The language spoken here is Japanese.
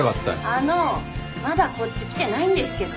・あのうまだこっち来てないんですけど。